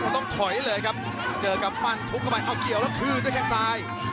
ต้องถอยเลยครับเจอกำปั้นทุบเข้าไปเอาเกี่ยวแล้วคืนด้วยแข้งซ้าย